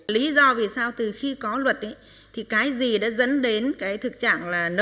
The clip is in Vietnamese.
lý do vì sao từ khi có luật thì cái gì đã dẫn đến cái thực trạng là nó